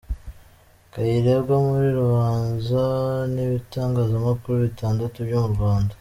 Kayirebwa mu rubanza n’ibitangazamakuru Bitandatu byo mu Rwanda